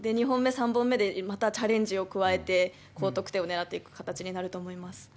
２本目、３本目で、またチャレンジを加えて高得点をねらっていく形になると思います。